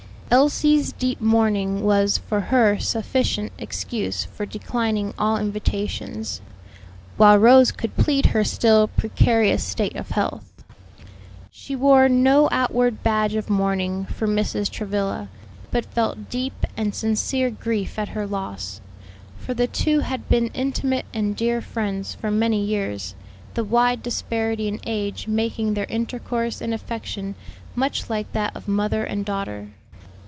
Elsie's deep mourning was for her sufficient excuse for declining all invitations; while Rose could plead her still precarious state of health. She wore no outward badge of mourning for Mrs. Travilla, but felt deep and sincere grief at her loss; for the two had been intimate and dear friends for many years, the wide disparity in age making their intercourse and affection much like that of mother and daughter.